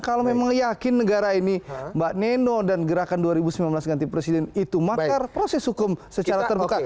kalau memang yakin negara ini mbak neno dan gerakan dua ribu sembilan belas ganti presiden itu makar proses hukum secara terbuka